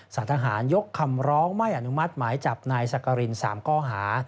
สารทหารยกคำร้องไม่อนุมัติหมายจับนายสักกริน๓ข้อหา